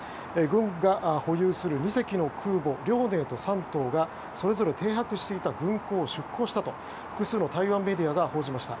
軍が保有する２隻の空母「遼寧」と「山東」がそれぞれ停泊していた軍港を出港したと複数の台湾メディアが報じました。